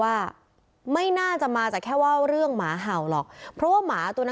ว่าไม่น่าจะมาจากแค่ว่าเรื่องหมาเห่าหรอกเพราะว่าหมาตัวนั้น